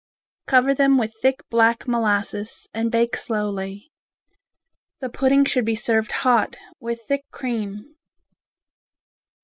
Cover them with thick black molasses and bake slowly. The pudding should be served hot, with thick cream.